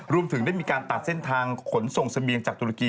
รวมถึงได้มีการตัดเส้นทางขนส่งเสบียงจากตุรกี